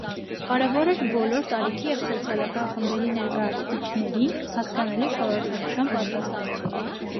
Կարևոր էր բոլոր տարիքի և սոցիալական խմբերի ներկայացուցիչներին հասկանալի խորհրդանշան պատրաստել։